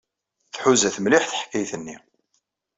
Tḥuza-t mliḥ teḥkayt-nni.